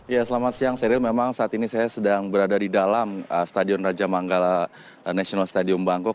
ya selamat siang seril memang saat ini saya sedang berada di dalam stadion raja manggala national stadium bangkok